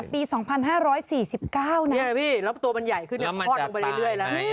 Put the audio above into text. พี่แล้วตัวมันใหญ่ขึ้นแล้วคลอดลงไปเรื่อยแล้ว